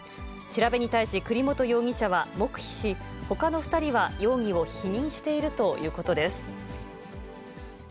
調べに対し、栗本容疑者は黙秘し、ほかの２人は容疑を否認しているということです。